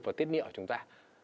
và tiết niệm của chúng ta